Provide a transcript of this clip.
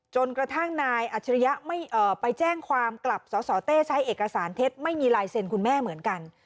จนกระทั่งนายอัจฉริยะไปแจ้งความกลับสสเต้ใช้เอกสารเท็จไม่มีลายเซ็นคุณแม่เหมือนกัน